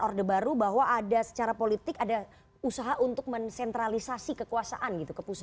orde baru bahwa ada secara politik ada usaha untuk mensentralisasi kekuasaan gitu